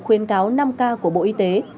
khuyến cáo năm k của bộ y tế